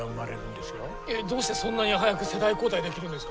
えっどうしてそんなに速く世代交代できるんですか？